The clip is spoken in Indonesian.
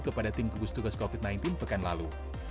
kepada tim gugus tugas covid sembilan belas pekan lalu